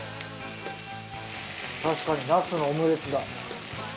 確かにナスのオムレツだ。